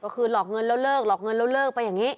ก็คือหลอกเงินแล้วเลิกหลอกเงินแล้วเลิกไปอย่างนี้